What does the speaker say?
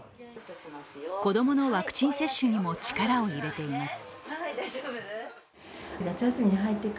子供のワクチン接種にも力を入れています。